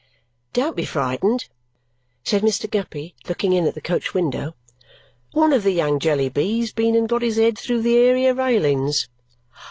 "Don't be frightened!" said Mr. Guppy, looking in at the coach window. "One of the young Jellybys been and got his head through the area railings!"